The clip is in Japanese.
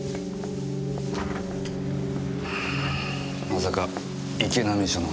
まさか池波署の。